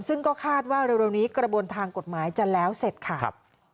ซึ่งก็คาดว่าเร็วนี้กระบวนทางกฎหมายจะแล้วเสร็จค่ะ